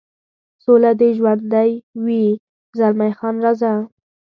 سوله دې ژوندی وي، زلمی خان: راځه.